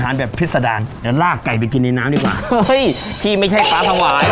เรียกพร้อมเหรอ